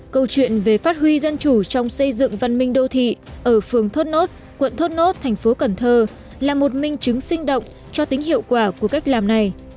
câu chuyện về phát huy dân chủ trong xây dựng văn minh đô thị ở phường thốt nốt quận thốt nốt thành phố cần thơ là một minh chứng sinh động cho tính hiệu quả của cách làm này